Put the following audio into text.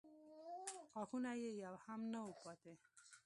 غاښونه یې يو هم نه و پاتې.